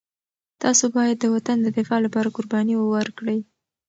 تاسو باید د وطن د دفاع لپاره قرباني ورکړئ.